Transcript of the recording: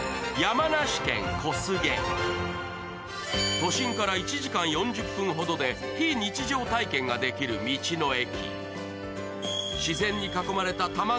都心から１時間４０分ほどで非日常体験ができる道の駅。